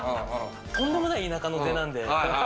とんでもない田舎の出なんで。